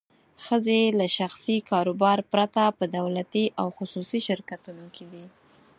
ښځې له شخصي کاروبار پرته په دولتي او خصوصي شرکتونو کې دي.